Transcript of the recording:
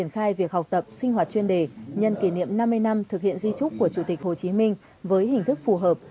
kỷ niệm năm mươi năm thực hiện di trúc của chủ tịch hồ chí minh với hình thức phù hợp